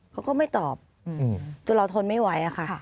เขาก็ไม่ตอบจนเราทนไม่ไหวค่ะ